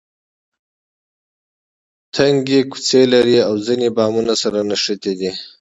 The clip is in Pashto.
تنګې کوڅې لري او ځینې بامونه سره نښتي دي.